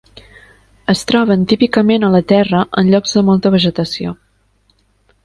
Es troben típicament a la terra en llocs de molta vegetació.